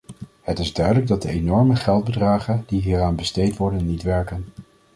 Het is duidelijk dat de enorme geldbedragen die hieraan besteed worden, niet werken.